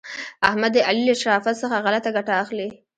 احمد د علي له شرافت څخه غلته ګټه اخلي.